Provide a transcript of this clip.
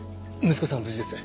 息子さんは無事です。